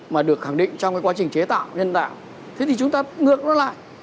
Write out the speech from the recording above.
mà được khẳng định trong quá trình chế tạo nhân tạo thế thì chúng ta ngược nó lại